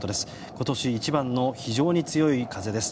今年一番の非常に強い風です。